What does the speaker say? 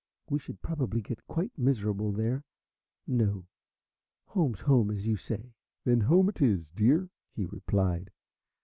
We should probably get quite miserable there. No, home's home, as you say." "Then home it is, dear!" he replied.